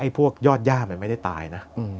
พวกยอดย่ามันไม่ได้ตายนะ